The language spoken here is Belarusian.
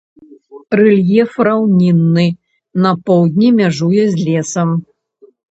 Рэльеф раўнінны, на поўдзень мяжуе з лесам.